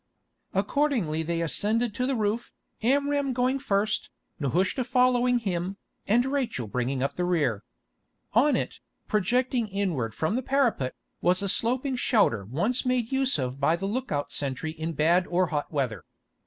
Accordingly they ascended to the roof, Amram going first, Nehushta following him, and Rachel bringing up the rear. On it, projecting inward from the parapet, was a sloping shelter once made use of by the look out sentry in bad or hot weather.